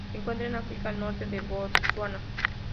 Se encuentran en África: el norte de Botsuana.